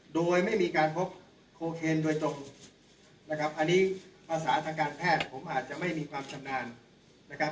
โดยไม่มีการพบโคเคนโดยตรงนะครับอันนี้ภาษาทางการแพทย์ผมอาจจะไม่มีความชำนาญนะครับ